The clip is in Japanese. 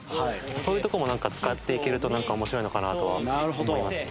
そういうとこも使っていけると面白いのかなとは思いますね。